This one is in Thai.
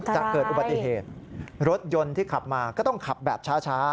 จะเกิดอุบัติเหตุรถยนต์ที่ขับมาก็ต้องขับแบบช้า